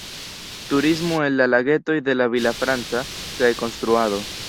Turismo en la Lagetoj de Villafranca kaj konstruado.